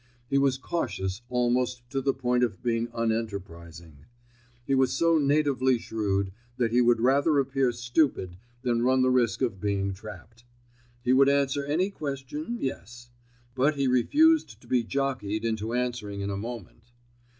He was cautious almost to the point of being unenterprising. He was so natively shrewd, that he would rather appear stupid than run the risk of being trapped. He would answer any question, yes. But he refused to be jockeyed into answering in a moment.